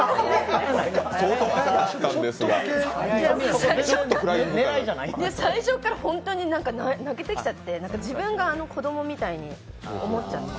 相当早かったんですが、ちょっとフライングいや、もう最初から本当に泣けてきちゃって、自分があの子供みたいに思っちゃって。